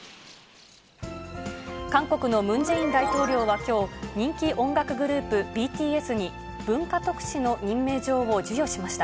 韓国のムン・ジェイン大統領はきょう、人気音楽グループ、ＢＴＳに、文化特使の任命状を授与しました。